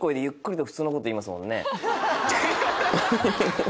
ハハハハ！